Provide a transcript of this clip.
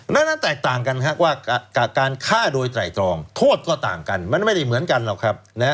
นั้นแตกต่างกันว่ากับการฆ่าโดยไตรตรองโทษก็ต่างกันมันไม่ได้เหมือนกันหรอกครับ